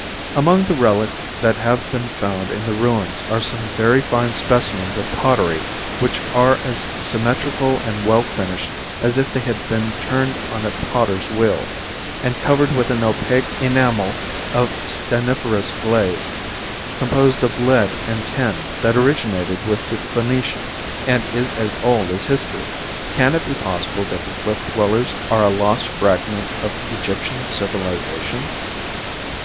Among the relics that have been found in the ruins are some very fine specimens of pottery which are as symmetrical and well finished as if they had been turned on a potter's wheel, and covered with an opaque enamel of stanniferous glaze composed of lead and tin that originated with the Phoenicians, and is as old as history. Can it be possible that the cliff dwellers are a lost fragment of Egyptian civilization?